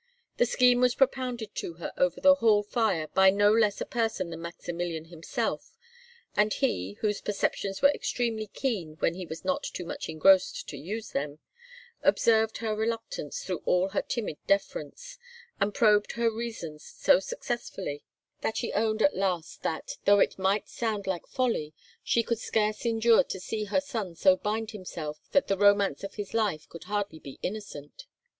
The scheme was propounded to her over the hall fire by no less a person than Maximilian himself, and he, whose perceptions were extremely keen when he was not too much engrossed to use them, observed her reluctance through all her timid deference, and probed her reasons so successfully that she owned at last that, though it might sound like folly, she could scarce endure to see her son so bind himself that the romance of his life could hardly be innocent.